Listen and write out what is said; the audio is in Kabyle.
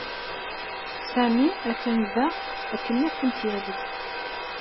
Sami atan da akken ad kent-yalel.